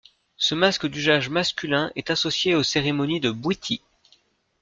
Ce masque d'usage masculin est associé aux cérémonies de Bwiti.